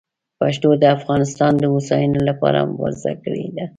پښتنو د افغانستان د هوساینې لپاره مبارزه کړې ده.